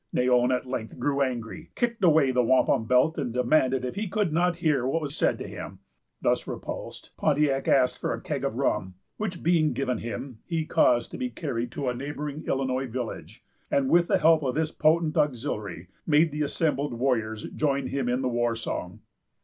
Neyon at length grew angry, kicked away the wampum belt, and demanded if he could not hear what was said to him. Thus repulsed, Pontiac asked for a keg of rum. Which being given him, he caused to be carried to a neighboring Illinois village; and, with the help of this potent auxiliary, made the assembled warriors join him in the war song.